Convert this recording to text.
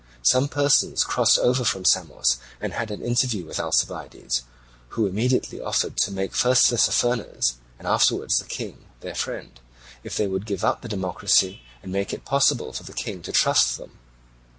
Some persons crossed over from Samos and had an interview with Alcibiades, who immediately offered to make first Tissaphernes, and afterwards the King, their friend, if they would give up the democracy and make it possible for the King to trust them.